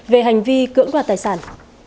về hành vi cưỡng đoàn tài sản